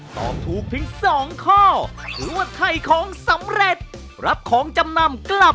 ตอบถูกเพียง๒ข้อ